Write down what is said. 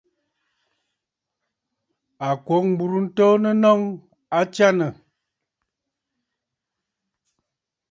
À kwǒ mburə ntoonə nnɔŋ, a tsyânə̀!